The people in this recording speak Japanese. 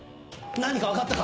何か分かったか？